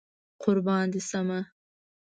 قربان دي شمه